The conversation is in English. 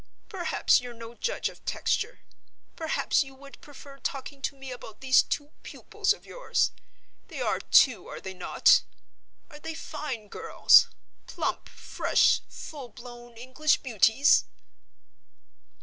Perhaps you're no judge of texture? Perhaps you would prefer talking to me about these two pupils of yours? They are two, are they not? Are they fine girls? Plump, fresh, full blown English beauties?"